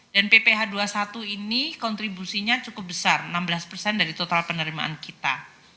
dan pph dua puluh satu ini kontribusinya cukup besar enam belas dari total penerimaan kita